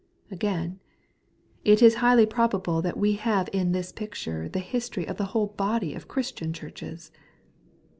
Again, it is highly probable that we have in this pic ture the history of the whole body of Christian churches.